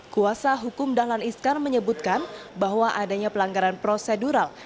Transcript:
kuasa hukum dahlan iskan menyebutkan bahwa adanya pelanggaran prosedural